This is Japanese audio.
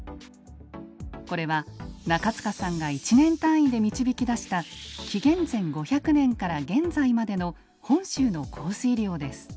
これは中塚さんが１年単位で導き出した紀元前５００年から現在までの本州の降水量です。